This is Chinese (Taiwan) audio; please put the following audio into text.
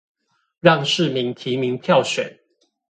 讓市民提名票選